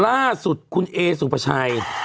ล่าสุดคุณเอสุภาชัย